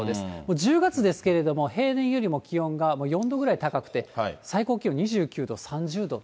１０月ですけれども、平年よりも気温が４度ぐらい高くて、最高気温２９度、３０度。